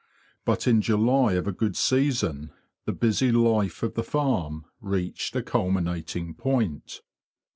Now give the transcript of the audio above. But in July of a good season the busy life of the farm reached a culminating point.